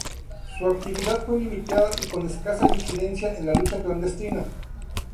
Su actividad fue limitada y con escasa incidencia en la lucha clandestina.